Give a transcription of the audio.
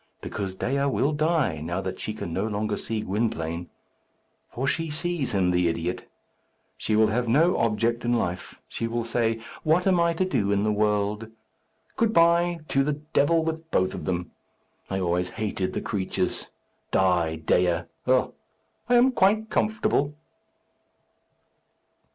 Because Dea will die, now that she can no longer see Gwynplaine. For she sees him, the idiot! She will have no object in life. She will say, 'What am I to do in the world?' Good bye! To the devil with both of them. I always hated the creatures! Die, Dea! Oh, I am quite comfortable!"